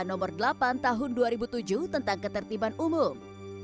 nomor delapan tahun dua ribu tujuh tentang ketertiban umum